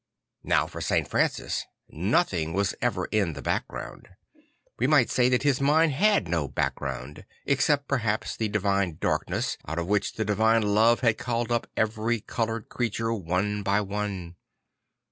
Now for St. Francis nothing was ever in the background. We might say that his mind had no background, except perhaps that divine darkness out of which the divine love had called up every coloured creature one by one.